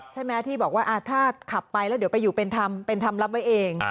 ใช่ไหมที่บอกว่าถ้าขับไปแล้วเดี๋ยวไปอยู่เป็นทำรับไว้เอง